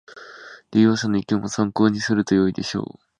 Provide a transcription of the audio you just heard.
利用者の意見も参考にするとよいでしょう